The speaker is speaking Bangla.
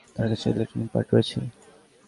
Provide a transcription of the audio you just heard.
তার কাছে একটি ইলেকট্রনিক্স পার্ট রয়েছে।